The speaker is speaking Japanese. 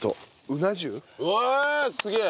うわあすげえ！